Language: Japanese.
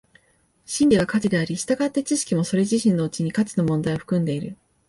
真理は価値であり、従って知識もそれ自身のうちに価値の問題を含んでいる。